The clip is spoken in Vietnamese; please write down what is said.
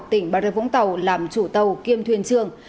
tỉnh bà rê vũng tàu làm chủ tàu kiêm thuyền trường